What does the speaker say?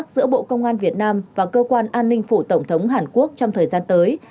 giữa bộ công an việt nam và cơ quan an ninh phủ tổng thống hàn quốc trong thời gian tới